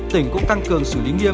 tỉnh cũng tăng cường xử lý nghiêm